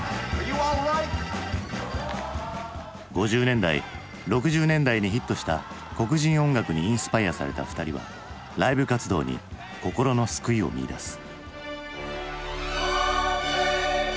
５０年代６０年代にヒットした黒人音楽にインスパイアされた２人はライブ活動に心の救いを見いだす。